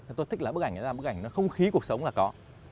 thì tôi thích là bức ảnh đó là bức ảnh không khí cuộc sống là có